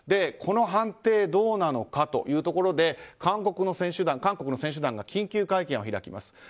この判定、どうなのかというところで韓国の選手団が緊急会見を開きます。